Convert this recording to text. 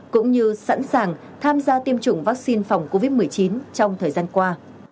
cũng như sẵn sàng tham gia tiêm chủng vaccine phòng covid một mươi chín trong thời gian qua